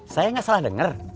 saya gak salah denger